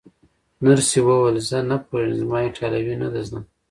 نرسې وویل: زه نه پوهېږم، زما ایټالوي نه ده زده.